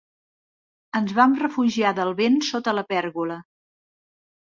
Ens vam refugiar del vent sota la pèrgola.